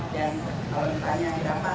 dan kalau ditanya ada apa